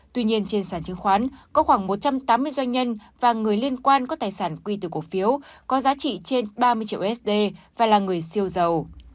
tuy nhiên trên sản chứng khoán có khoảng một trăm tám mươi doanh nhân và người liên quan có tài sản quy từ cổ phiếu có giá trị trên ba mươi triệu usd và là người siêu dầu